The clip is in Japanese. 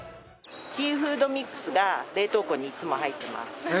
シーフードミックスが冷凍庫にいつも入ってます。